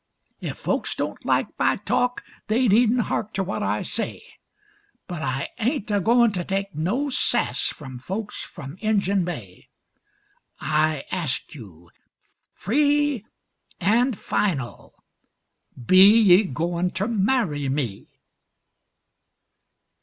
Ef folks don't like my talk they needn't hark ter what I say:. But I ain't a goin' to take no sass from folks from Injun Bay. I ask you free an' final, 'Be ye goin' ter marry me?'"